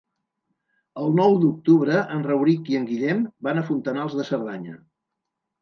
El nou d'octubre en Rauric i en Guillem van a Fontanals de Cerdanya.